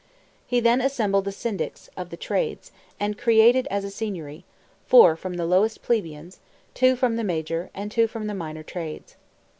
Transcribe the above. He then assembled the Syndics of the trades, and created as a Signory, four from the lowest plebeians; two from the major, and two from the minor trades.